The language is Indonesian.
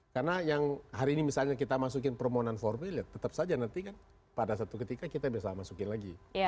karena yang hari ini misalnya kita masukin permohonan formulir tetap saja nanti kan pada satu ketika kita bisa masukin lagi